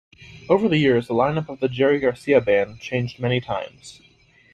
Over the years, the lineup of the Jerry Garcia Band changed many times.